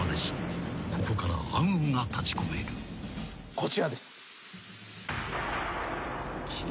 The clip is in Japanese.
こちらです。